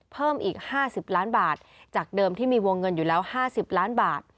เพิ่มอีก๕๐ล้านบาทจากเดิมที่มีวงเงินอยู่แล้ว๕๐ล้านบาท